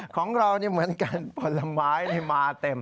ของเรานี่เหมือนกันผลไม้นี่มาเต็ม